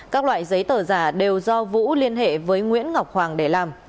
các loại giấy tờ giả đều do vũ liên hệ với nguyễn ngọc hoàng để làm